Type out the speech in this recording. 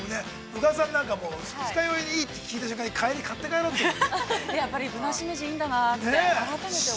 宇賀さんなんか、二日酔いにいいって聞いた瞬間に、帰りに買って帰ろうって。